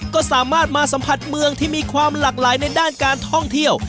ก็สามารถมาสัมผัสเมืองที่มีความหลากหลายในด้านการท่องเที่ยว